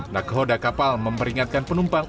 nakhoda kapal memperingatkan penumpang